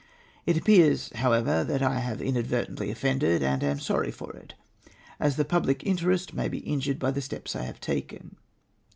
" It appears, however, that I have inadvertently offended, and am sorry for it, as the public interest may be injured by the step I have taken.